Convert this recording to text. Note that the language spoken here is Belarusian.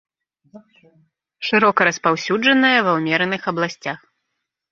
Шырока распаўсюджаная ва ўмераных абласцях.